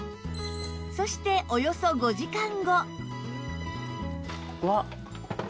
そしておよそ５時間後